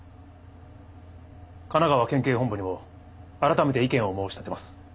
神奈川県警本部にも改めて意見を申し立てます。